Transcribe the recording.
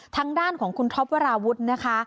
ทางด้านของคุณท็อปวราวุฒินะคะ